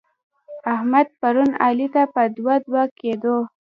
احمد؛ پرون علي ته په دوه دوه کېدو.